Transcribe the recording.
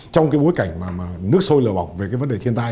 trong cái bối cảnh mà nước sôi lờ bỏng về cái vấn đề thiên tai